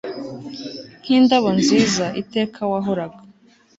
nk'indabo nziza, iteka wahoraga